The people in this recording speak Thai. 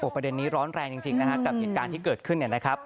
ประเด็นนี้ร้อนแรงจริงกับการที่เกิดขึ้น